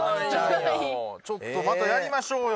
ちょっとまたやりましょうよ。